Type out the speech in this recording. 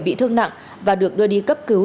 bị thương nặng và được đưa đi cấp cứu